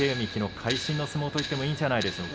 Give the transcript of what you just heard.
会心の相撲といってもいいんじゃないでしょうか。